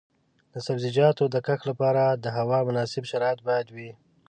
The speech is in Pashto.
د سبزیجاتو د کښت لپاره د هوا مناسب شرایط باید وي.